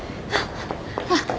あっ！